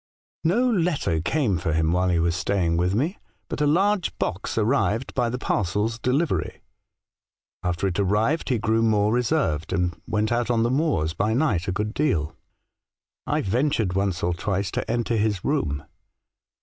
" No letter came for him while he was staying with me, but a large box arrived by the parcels delivery. After it arrived he grew more reserved, and went out on the moors by night a good deal. I ventured once or twice to enter his room.